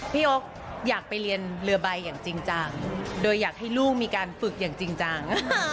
พี่โอ๊คอยากไปเรียนเรือใบอย่างจริงจังโดยอยากให้ลูกมีการฝึกอย่างจริงจัง